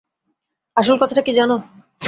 আসল কথাটা কী জান?